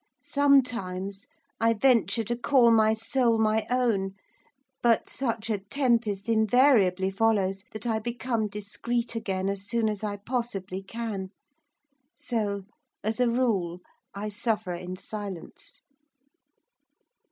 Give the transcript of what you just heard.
Sometimes I venture to call my soul my own; but such a tempest invariably follows that I become discreet again as soon as I possibly can. So, as a rule, I suffer in silence.